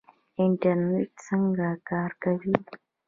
انټرنیټ څنګه کار کوي؟